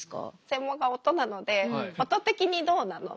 専門が音なので「音的にどうなの？」